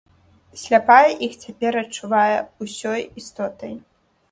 Сляпая іх цяпер адчувае ўсёй істотай.